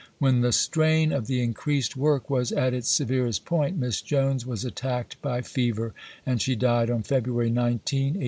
When the strain of the increased work was at its severest point, Miss Jones was attacked by fever, and she died on February 19, 1868.